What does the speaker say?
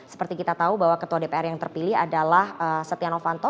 seperti kita tahu bahwa ketua dpr yang terpilih adalah setia novanto